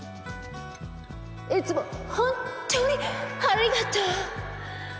いつも本当にありがとう！